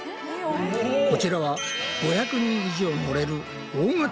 こちらは５００人以上乗れる大型